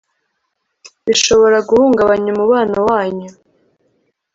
bishobora guhungabanya umubano wanyu